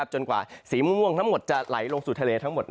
จนกว่าสีม่วงทั้งหมดจะไหลลงสู่ทะเลทั้งหมด